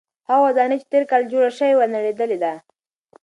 هغه ودانۍ چې تېر کال جوړه شوې وه نړېدلې ده.